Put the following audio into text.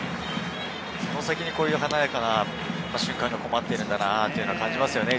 その先にこういう華やかな瞬間が待っているんだなと感じますよね。